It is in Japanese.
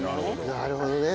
なるほどね。